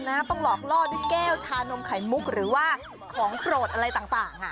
หวานคือแหลมริ้น